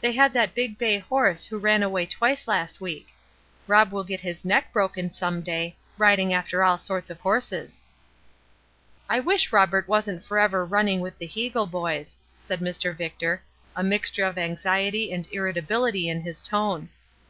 They had that big bay horse who ran away twice last week. Rob will get his neck broken some day, riding after all sorts of horses." "I wish Robert wasn't forever running with the Heagle boys," said Mr. Victor, a mixture of anxiety and irritability in his tone.